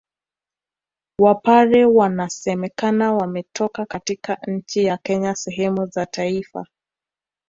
Wapare wanasemekana wametoka katika nchi ya Kenya sehemu za Taita